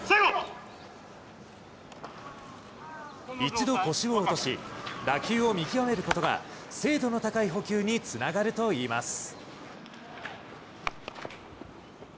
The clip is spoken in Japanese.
一度腰を落とし、打球を見極めることが精度の高い捕球につながるといいます。